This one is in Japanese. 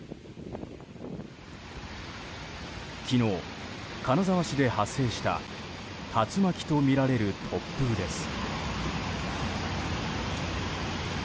昨日、金沢市で発生した竜巻とみられる突風です。